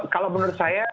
kalau menurut saya